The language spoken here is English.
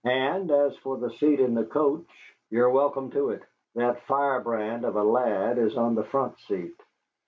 "And as for the seat in the coach, you are welcome to it. That firebrand of a lad is on the front seat."